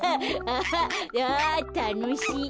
あたのしい。